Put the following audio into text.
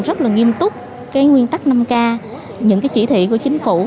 rất nghiêm túc nguyên tắc năm k những chỉ thị của chính phủ